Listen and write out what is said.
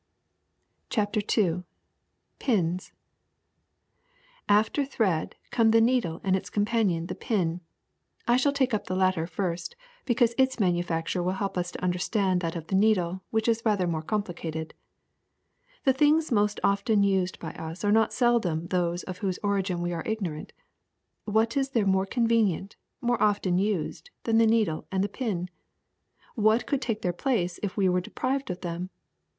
'' CHAPTER n PINS a A pTER thread, come the needle and its com A panion the pin. I shall take up the latter first, because its manufacture will help us to understand that of the needle, which is rather more complicated. ^*The things most often used by us are not seldom those of whose origin we are ignorant. What is there more convenient, more often used, than the needle and the pin? What could take their place if we were deprived of them?